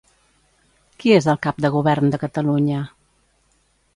Qui és el cap de govern de Catalunya?